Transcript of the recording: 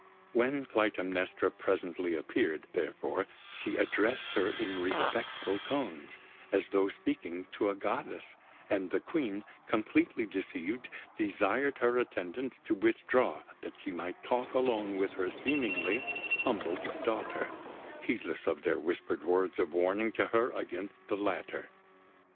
When Clytemnestra presently appeared, therefore, she addressed her in respectful tones, as though speaking to a goddess; and the Queen, completely deceived, desired her attendants to withdraw that she might talk alone with her seemingly humbled daughter, heedless of their whispered words of warning to her against the latter.